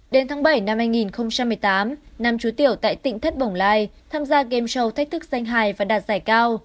đến tháng bảy năm hai nghìn một mươi tám năm chú tiểu tại tỉnh thất bồng lai tham gia game show thách thức danh hài